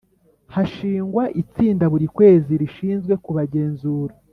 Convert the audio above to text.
hashingwa itsinda Buri kwezi rishinzwe kuba genzura